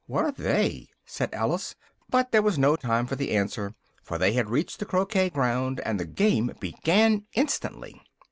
"What are they?" said Alice, but there was no time for the answer, for they had reached the croquet ground, and the game began instantly.